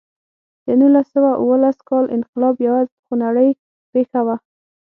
د نولس سوه اوولس کال انقلاب یوه خونړۍ پېښه وه.